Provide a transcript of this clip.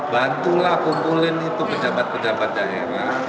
bantulah kumpulin itu pejabat pejabat daerah